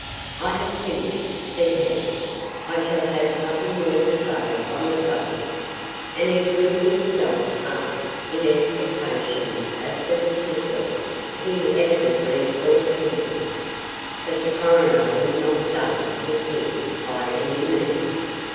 "I have finished," said he. "I shall have nothing more to say on the subject." And he drew himself up in expectation of the dismissal he evidently thought pending. But the coroner was not done with him by any means.